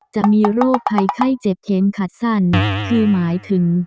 จะมีโรคภัยไข้เจ็บเข็มขัดสั้นคือหมายถึง